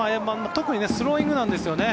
特にスローイングなんですよね。